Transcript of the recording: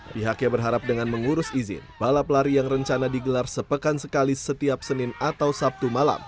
pihaknya berharap dengan mengurus izin balap lari yang rencana digelar sepekan sekali setiap senin atau sabtu malam